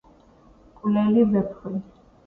მკვლელი ვეფხვი